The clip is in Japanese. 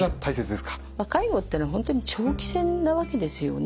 介護っていうのは本当に長期戦なわけですよね。